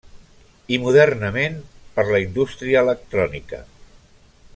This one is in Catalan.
I modernament per la indústria electrònica.